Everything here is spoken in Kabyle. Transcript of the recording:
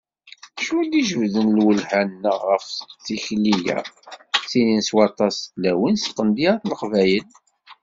Acu i d-ijebbden lwelha-nneɣ ɣef tikli-a d tilin swaṭas n tlawin s tqendyar n Leqbayel.